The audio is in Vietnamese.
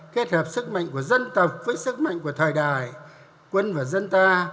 kết hợp sức mạnh của dân tộc với sức mạnh của thời đại quân và dân ta